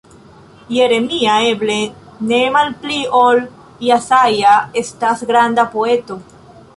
Jeremia, eble ne malpli ol Jesaja, estas granda poeto.